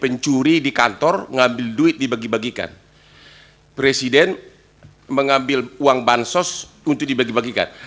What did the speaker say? pencuri di kantor ngambil duit dibagi bagikan presiden mengambil uang bansos untuk dibagi bagikan